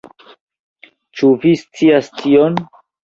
Ĉu vi scias tion?